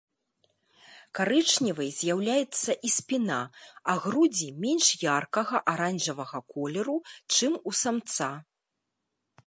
Карычневай з'яўляецца і спіна, а грудзі менш яркага аранжавага колеру, чым у самца.